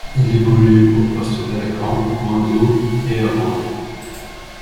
Il évolue au poste d'attaquant au Guangzhou Evergrande.